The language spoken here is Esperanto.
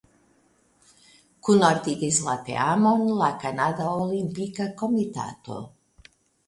Kunordigis la teamon la Kanada Olimpika Komitato.